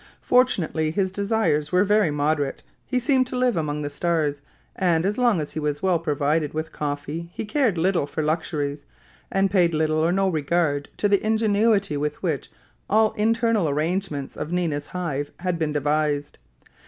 Fortunately his desires were very moderate; he seemed to live among the stars, and as long as he was well provided with coffee, he cared little for luxuries, and paid little or no regard to the ingenuity with which all the internal arrangements of Nina's Hive had been devised.